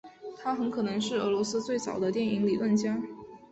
他很可能是俄罗斯最早的电影理论家。